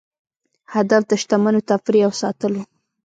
هدف د شتمنو تفریح او ساتل وو.